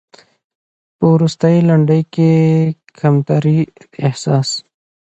په وروستۍ لنډۍ کې د کمترۍ د احساس